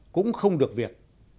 cũng không được việc